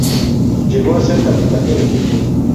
Llegó a ser capitán del equipo.